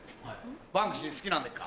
バンクシー好きなんでっか？